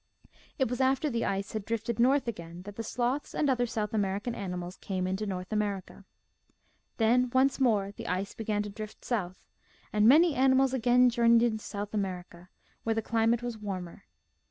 It was after the ice had drifted north again that the sloths and other South American animals came into North America. Then once more the ice began to drift south, and many animals again journeyed into South America, where the climate was warmer.